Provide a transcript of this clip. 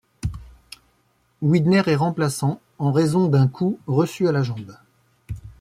Widner est remplaçant en raison d'un coup reçu à la jambe.